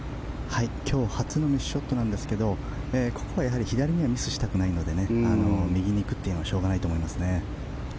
今日初のミスショットなんですけどここは左にはミスしたくないので右に行くというのはしょうがないと思いますね。